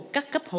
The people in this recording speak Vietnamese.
các cấp hội